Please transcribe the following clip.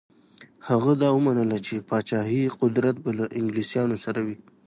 هغه دا ومنله چې پاچهي قدرت به له انګلیسیانو سره وي.